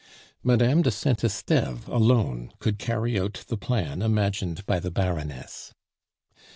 Madame de Saint Esteve alone could carry out the plan imagined by the Baroness.